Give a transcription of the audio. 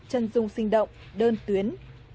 trân dung sinh động đơn tuyến